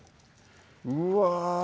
うわ